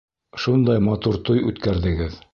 Шундай матур туй үткәрҙегеҙ.